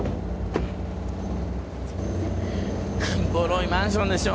ボロいマンションでしょ？